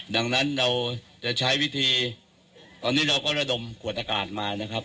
ดังนั้นเราจะใช้วิธีตอนนี้เราก็ระดมขวดอากาศมานะครับ